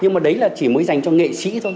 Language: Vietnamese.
nhưng mà đấy là chỉ mới dành cho nghệ sĩ thôi